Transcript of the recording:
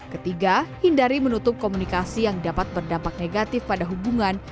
ketiga hindari menutup komunikasi yang dapat berdampak negatif pada hubungan